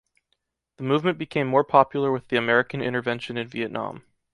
The movement became more popular with the American intervention in Vietnam.